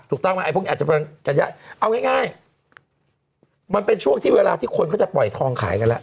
ถูกต้องไหมไอพวกนี้อาจจะยากเอาง่ายมันเป็นช่วงที่เวลาที่คนเขาจะปล่อยทองขายกันแล้ว